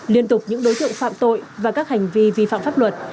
liên tục những đối tượng phạm tội và các hành vi vi phạm pháp luật